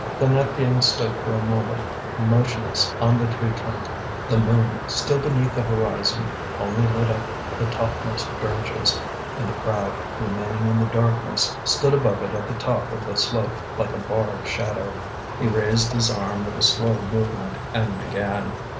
Then Étienne stood for a moment motionless on the tree trunk. The moon, still beneath the horizon, only lit up the topmost branches, and the crowd, remaining in the darkness, stood above it at the top of the slope like a bar of shadow. He raised his arm with a slow movement and began.